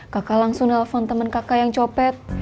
kakak langsung nelfon teman kakak yang copet